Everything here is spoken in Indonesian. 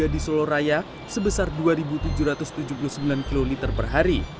di solo raya sebesar dua tujuh ratus tujuh puluh sembilan kiloliter per hari